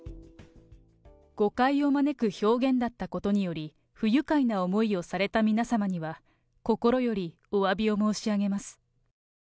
誤解を招く表現だったことにより、不愉快な思いをされた皆様には、心よりおわびを申し上げます。